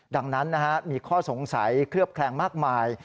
ดังนั้นมีข้อสงสัยเคลือบแคลงมากมาย